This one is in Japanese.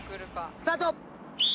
スタート！